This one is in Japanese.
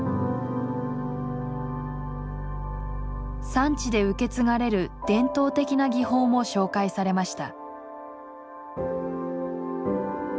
産地で受け継がれる伝統的な技法も紹介されました。